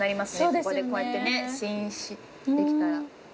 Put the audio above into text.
ここでこうやって試飲できたら。